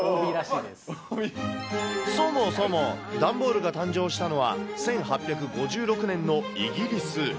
そもそも段ボールが誕生したのは、１８５６年のイギリス。